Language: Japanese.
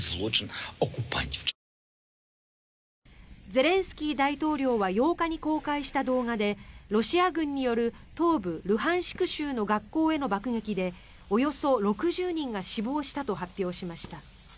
ゼレンスキー大統領は８日に公開した動画でロシア軍による東部ルハンシク州の学校への爆撃でおよそ６０人が死亡したと発表しました。